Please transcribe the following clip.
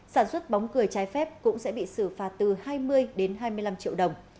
sản xuất bóng cười trái phép cũng sẽ bị xử phạt từ hai mươi đến hai mươi năm triệu đồng